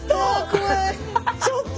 ちょっと！